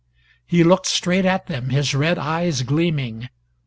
He looked straight at them, his red eyes gleaming.